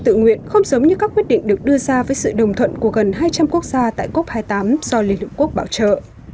tự nguyện không giống như các quyết định được đưa ra với sự đồng thuận của gần hai trăm linh quốc gia tại cop hai mươi tám do liên hợp quốc bảo trợ